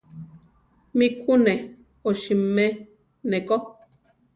Mí ku ne osimé ne ko.